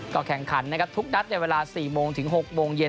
ก็แข่งขันนะครับทุกนัดในเวลา๔โมงถึง๖โมงเย็น